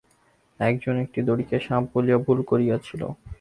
একজন একটি দড়িকে সাপ বলিয়া ভুল করিয়াছিল।